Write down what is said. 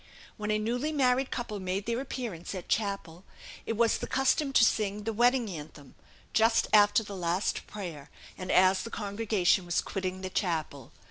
When a newly married couple made their appearance at chapel, it was the custom to sing the Wedding Anthem, just after the last prayer, and as the congregation was quitting the chapel.